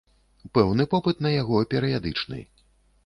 Пэўны попыт на яго перыядычны.